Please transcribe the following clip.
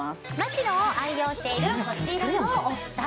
・シロを愛用しているこちらのお二人